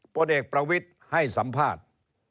พลเอกประวิทย์ให้สัมภาษณ์